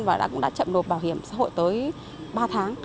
và cũng đã chậm nộp bảo hiểm xã hội tới ba tháng